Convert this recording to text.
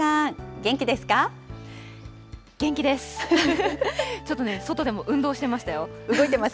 元気です。